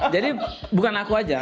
jadi bukan aku aja